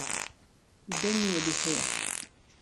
Den e oa d'e c'her.